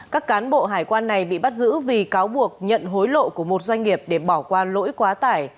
các cán bộ hải quan này bị bắt giữ vì cáo buộc nhận hối lộ của một doanh nghiệp để bỏ qua lỗi quá tải